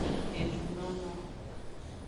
Ejunono.